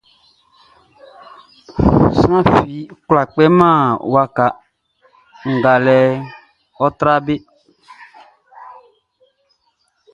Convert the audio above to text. Sran fi kwlá kpɛman be wakaʼn, kpɛkun ngalɛʼn ɔ́ trá be.